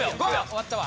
終わったわ。